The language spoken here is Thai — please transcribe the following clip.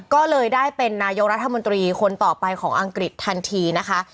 ก็เลยได้เป็นนายกรัฐมนตรีคนต่อไปของอังกฤษทันทีนะคะ